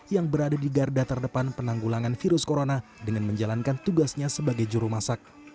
yang berada di garda terdepan penanggulangan virus corona dengan menjalankan tugasnya sebagai juru masak